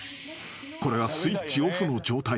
［これはスイッチオフの状態。